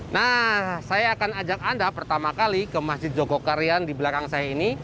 nah saya akan ajak anda pertama kali ke masjid jogokarian di belakang saya ini